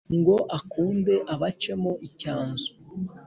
ngo akunde abacemo icyanzu